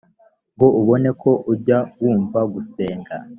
ngo ubone uko ujya wumva gusenga